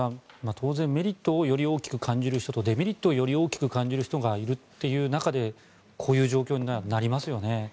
当然、メリットをより大きく感じる人とデメリットをより大きく感じる人がいるという中でこういう状況になりますよね。